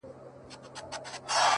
ښه دی چي ونه درېد ښه دی چي روان ښه دی;